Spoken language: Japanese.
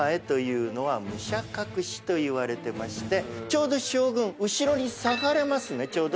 ちょうど将軍後ろに下がれますね。